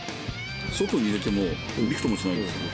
外に入れてもびくともしないんですよね。